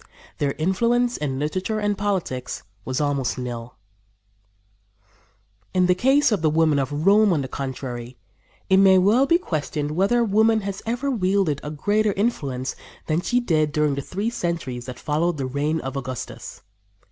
Their influence in literature and politics was almost nil. In the case of the women of Rome, on the contrary, it may well be questioned whether woman has ever wielded a greater influence than she did during the three centuries that followed the reign of Augustus.